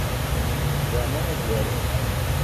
Jaa mama guware.